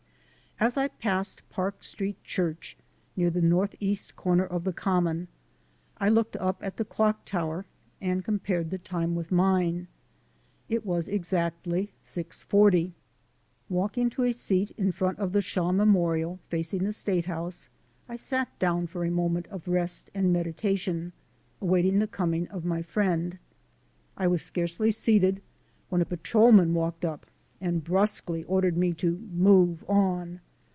As I passed Park Street Church, near the northeast corner of the Common, I looked up at the clock tower and com pared the time with mine. It was exactly 6:4*0. Walking to a seat in front of the Shaw Memorial, facing the State House, I sat down for a moment of rest and meditation, awaiting the coming of my friend. I was scarcely seated when a patrolman walked up and brusquely ordered me to "move on."